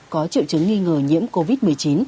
có triệu chứng nghi ngờ nhiễm covid một mươi chín